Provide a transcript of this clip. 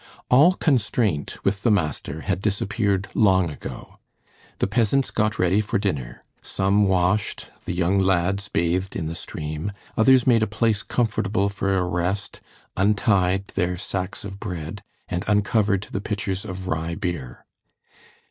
All constraint with the master had disappeared long ago. The peasants got ready for dinner. Some washed, the young lads bathed in the stream, others made a place comfortable for a rest, untied their sacks of bread, and uncovered the pitchers of rye beer.